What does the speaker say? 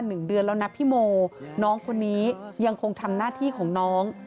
หนึ่งเดือนแล้วนะพี่โมน้องคนนี้ยังคงทำหน้าที่ของน้อง